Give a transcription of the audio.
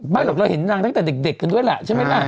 หรอกเราเห็นนางตั้งแต่เด็กกันด้วยล่ะใช่ไหมล่ะ